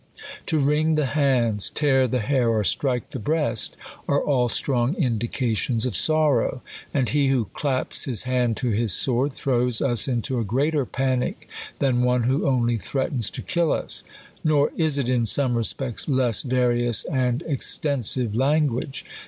To wring the hands, tear the hair, or strike the breast, are all strong indications of sorrow.. And he, who claps his hand to his sword, throws us into a greater panic than one who only threatens to kill us. Nor is it in some respects less various and extensive language.